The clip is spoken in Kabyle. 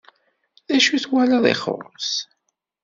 D acu i twalaḍ ixuṣṣ?